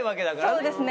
そうですね。